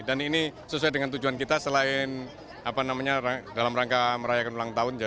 dan ini sesuai dengan tujuan kita selain dalam rangka merayakan ulang tahun